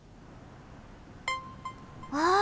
わあ！